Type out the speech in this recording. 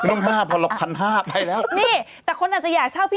โอ้โฮไปตั้งแต่๑๕๐๐บาทแล้ว